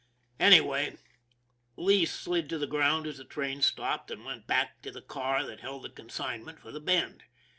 Anyway, Lee slid to the ground as the train stopped, and went back to the car that held the consignment for the Bend.